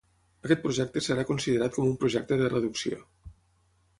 Aquest projecte serà considerat com un projecte de reducció.